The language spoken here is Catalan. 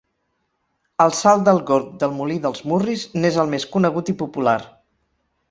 El salt del Gorg del Molí dels Murris n'és el més conegut i popular.